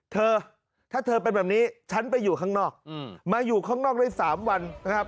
เธอถ้าเธอเป็นแบบนี้ฉันไปอยู่ข้างนอกมาอยู่ข้างนอกได้๓วันนะครับ